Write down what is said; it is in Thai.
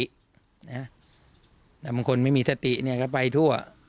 แต่บางคนไม่มีสติก็ไปทั่ว